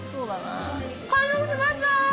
完食しました！